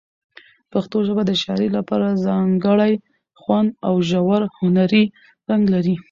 پښتو ژبه د شاعرۍ لپاره ځانګړی خوند او ژور هنري رنګ لري.